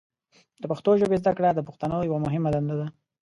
د پښتو ژبې زده کړه د پښتنو یوه مهمه دنده ده.